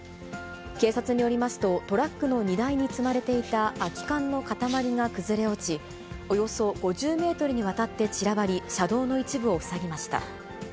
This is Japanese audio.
警察によりますと、トラックの荷台に積まれていた空き缶の塊が崩れ落ち、およそ５０メートルにわたって散らばり、車道の一部を塞ぎました。